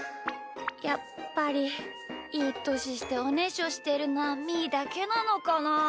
やっぱりいいとししておねしょしてるのはみーだけなのかなあ。